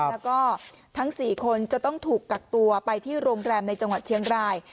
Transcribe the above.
แล้วก็ทั้ง๔คนจะต้องถูกกักตัวไปที่โรงแรมในจังหวัดเชียงราย